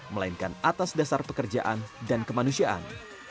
melainkan atas dasar pekerjaan dan kemanusiaan